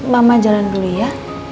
mama jalan dulu ya